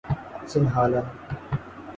Sinhala